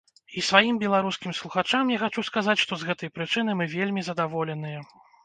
І сваім беларускім слухачам я хачу сказаць, што з гэтай прычыны мы вельмі задаволеныя.